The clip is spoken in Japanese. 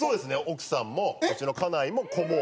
奥さんもうちの家内も子も。